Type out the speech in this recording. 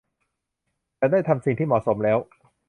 ฉันได้ทำสิ่งที่เหมาะสมแล้ว